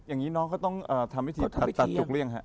อย่างนี้น้องก็ต้องทำพิธีตุกเลี่ยง